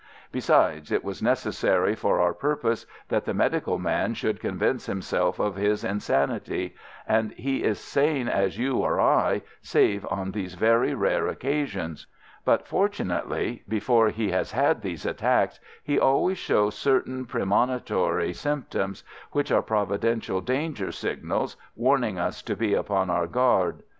Besides, it was necessary for our purpose that the medical man should convince himself of his insanity; and he is sane as you or I, save on these very rare occasions. But, fortunately, before he has these attacks he always shows certain premonitory symptoms, which are providential danger signals, warning us to be upon our guard.